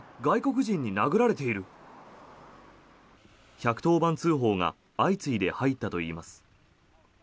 １１０番通報が相次いで入ったといいます。